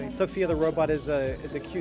dan robot sofia adalah pembentukan yang lucu